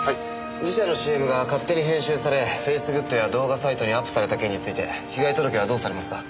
自社のＣＭが勝手に編集されフェイスグッドや動画サイトにアップされた件について被害届はどうされますか？